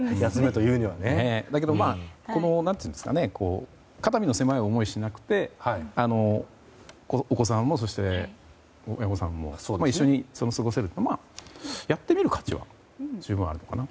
だけど肩身の狭い思いをしなくてお子さんも、そして親御さんも一緒に過ごせるというのはやってみる価値は十分あるのかなと。